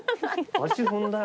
足踏んだよ